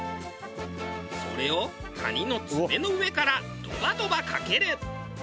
それを蟹の爪の上からドバドバかける。